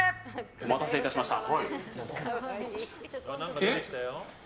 お待たせいたしました。